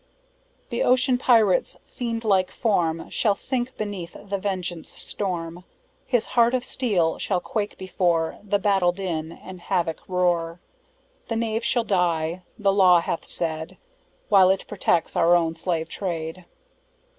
"The Ocean 'Pirate's' fiend like form Shall sink beneath the vengeance storm; His heart of steel shall quake before The battle din and havoc roar: The knave shall die, the Law hath said, While it protects our own 'slave trade.'